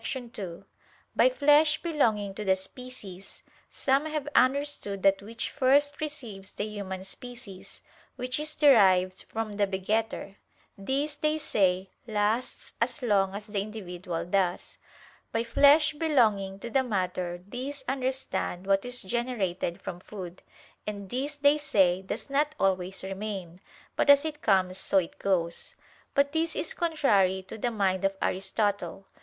2: By flesh belonging to the species, some have understood that which first receives the human species, which is derived from the begetter: this, they say, lasts as long as the individual does. By flesh belonging to the matter these understand what is generated from food: and this, they say, does not always remain, but as it comes so it goes. But this is contrary to the mind of Aristotle.